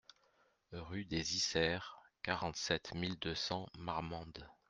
Rue des Isserts, quarante-sept mille deux cents Marmande